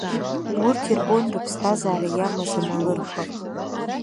Урҭ ирбон рыԥсҭазаара иамаз амалырқәа.